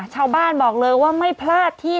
ชาวบ้านบอกเลยว่าไม่พลาดที่